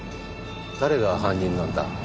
誰が犯人なんだ？